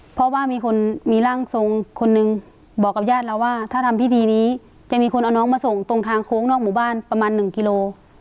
เพราะว่ามีคนมีร่างทรงคนนึงบอกกับญาติเราว่าถ้าทำพิธีนี้จะมีคนเอาน้องมาส่งตรงทางโค้งนอกหมู่บ้านประมาณหนึ่งกิโล